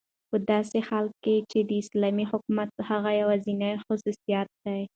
په داسي حال كې چې دا داسلامي حكومت هغه يوازينى خصوصيت دى